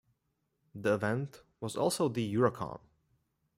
The event was also the Eurocon.